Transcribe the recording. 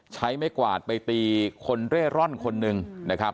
ใช้ไม้กวาดไปตีคนเร่ร่อนคนหนึ่งนะครับ